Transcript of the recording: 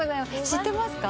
知ってますか？